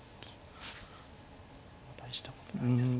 大したことないですか。